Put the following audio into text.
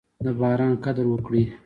د باران قدر وکړئ.